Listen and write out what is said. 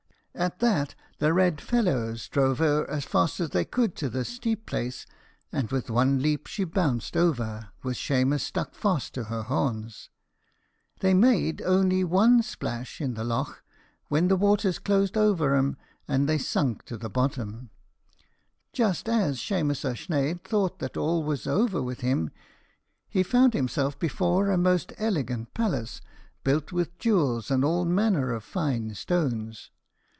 At that the red fellows drove her as fast as they could to this steep place, and with one leap she bounced over, with Shemus stuck fast to her horns. They made only one splash in the lough, when the waters closed over 'em, and they sunk to the bottom. Just as Shemus a sneidh thought that all was over with him, he found himself before a most elegant palace built with jewels, and all manner of fine stones.